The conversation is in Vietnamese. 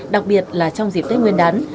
đặc biệt là trong dịp tết nguyên đán